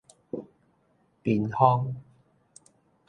豳風